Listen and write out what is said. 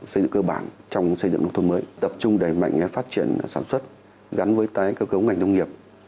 xây dựng cơ bản trong xây dựng nông thôn mới tập trung đẩy mạnh phát triển sản xuất gắn với tái cơ cấu ngành nông nghiệp